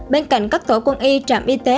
bên cạnh các tổ quân y trạm y tế